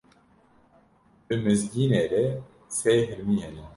Bi Mizgînê re sê hirmî hene.